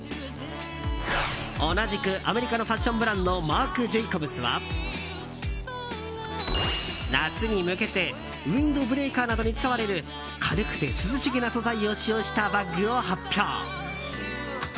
同じくアメリカのファッションブランドＭＡＲＣＪＡＣＯＢＳは夏に向けてウィンドブレーカーなどに使われる軽くて涼しげな素材を使用したバッグを発表。